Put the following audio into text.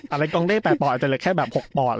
อะไรกองเต้๘ปอดอาจจะแค่แบบ๖ปอด